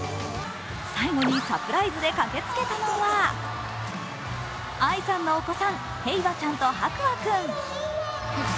最後にサプライズで駆けつけたのはＡＩさんのお子さん、平和ちゃんと博愛君。